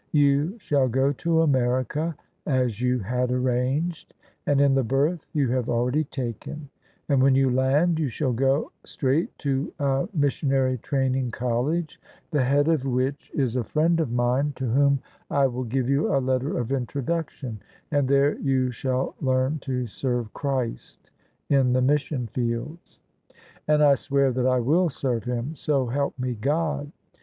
You shall go to America as you had arranged, and in the berth you have already taken: and when you land you shall go straight to a Missionary Training College, the head of which OF ISABEL CARNABY IS a friend of mine to whom I will give you a letter of intro duction: and there you shall learn to serve Christ in the mission fields." " And I swear that I will serve Him, so help me God!